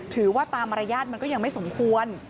ถือว่าตามมารยาทมันก็ยังไม่สมควร